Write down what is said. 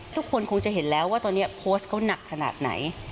ทุกคนคงจะเห็นแล้วว่าตอนนี้โพสต์เขาหนักขนาดไหน